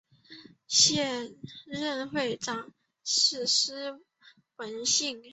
现任会长是施文信。